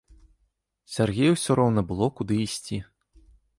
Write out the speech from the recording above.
Сяргею ўсё роўна было, куды ісці.